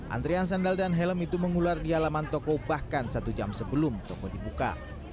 antrian sandal dan helm itu mengular di halaman toko bahkan satu jam sebelum toko dibuka